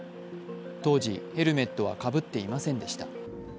当時、ヘルメットはかぶっていませんでした。